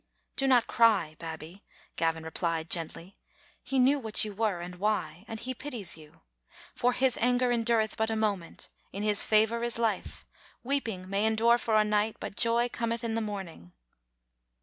"Do not cry, Babbie," Gavin replied, gently. "He knew what yon were, and why, and He pities you. *For His anger endnreth but a moment: in His favor is life: weeping may endure for a night, but joy cometh in the morning.'